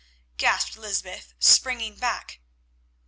gasped Lysbeth, springing back.